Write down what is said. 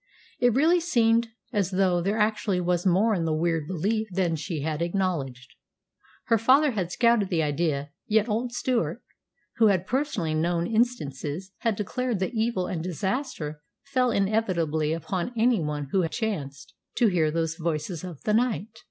It really seemed as though there actually was more in the weird belief than she had acknowledged. Her father had scouted the idea, yet old Stewart, who had personally known instances, had declared that evil and disaster fell inevitably upon any one who chanced to hear those voices of the night.